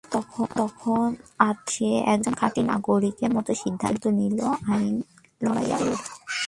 আর তখন সে একজন খাঁটি নাগরিকের মতো সিদ্ধান্ত নিল আইনি লড়াই লড়বে।